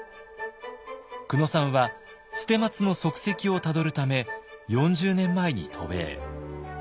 久野さんは捨松の足跡をたどるため４０年前に渡米。